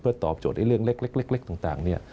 เพื่อตอบโจทย์เรื่องเล็กต่าง